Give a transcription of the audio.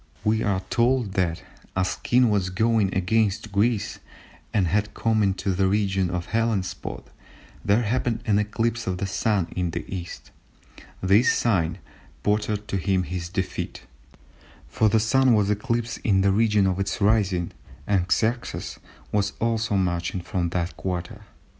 We are told that "As the king was going against Greece, and had come into the region of the Hellespont, there happened an eclipse of the Sun in the East; this sign portended to him his defeat, for the Sun was eclipsed in the region of its rising, and Xerxes was also marching from that quarter."